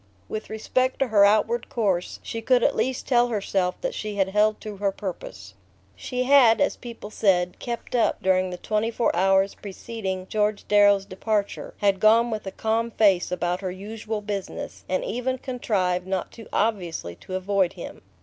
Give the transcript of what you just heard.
With respect to her outward course she could at least tell herself that she had held to her purpose. She had, as people said, "kept up" during the twenty four hours preceding George Darrow's departure; had gone with a calm face about her usual business, and even contrived not too obviously to avoid him.